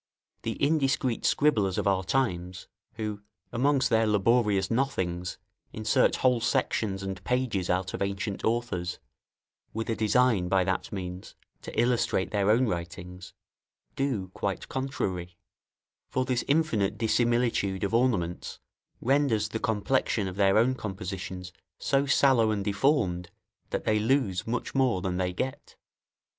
The indiscreet scribblers of our times, who, amongst their laborious nothings, insert whole sections and pages out of ancient authors, with a design, by that means, to illustrate their own writings, do quite contrary; for this infinite dissimilitude of ornaments renders the complexion of their own compositions so sallow and deformed, that they lose much more than they get.